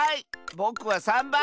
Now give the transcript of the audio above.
ぼくは３ばん！